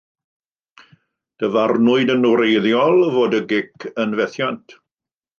Dyfarnwyd yn wreiddiol fod y gic yn fethiant.